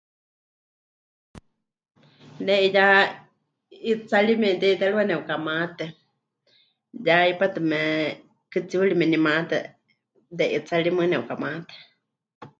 Ne 'iyá 'itsari memɨte'iterɨwa nepɨkamate ya hipátɨ me kɨtsiuri memɨnimate, de 'itsari mɨɨkɨ nepɨkamate.